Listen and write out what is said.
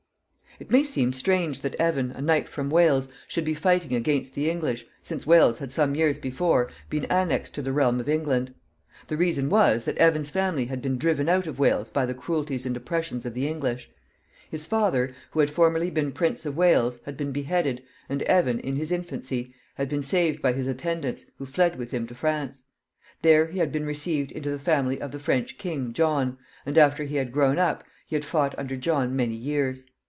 It may seem strange that Evan, a knight from Wales, should be fighting against the English, since Wales had some years before been annexed to the realm of England. The reason was, that Evan's family had been driven out of Wales by the cruelties and oppressions of the English. His father, who had formerly been Prince of Wales, had been beheaded, and Evan, in his infancy, had been saved by his attendants, who fled with him to France. There he had been received into the family of the French king, John, and, after he had grown up, he had fought under John many years.